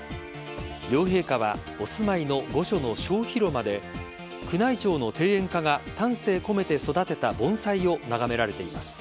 両陛下はお住まいの御所の小広間で宮内庁の庭園課が丹精込めて育てた盆栽を眺められています。